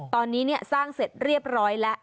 ตอนนี้สร้างเสร็จเรียบร้อยแล้ว